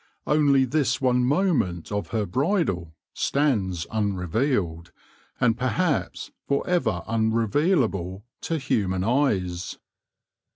Only this one moment of her bridal stands unrevealed, and perhaps for ever unrevealable, to human eyes.